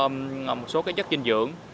một số chất dinh dưỡng